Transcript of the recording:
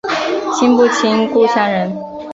亲不亲故乡人